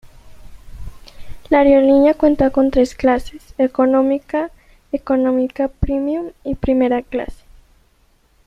La aerolínea cuenta con tres clases: económica, económica premium y primera clase.